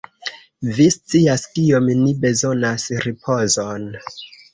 Vi scias, kiom ni bezonas ripozon.